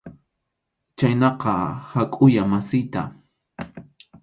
Chhaynaqa hakuyá wasiyta.